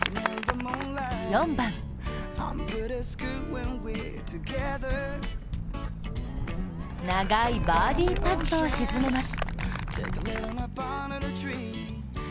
４番長いバーディーパットを沈めます。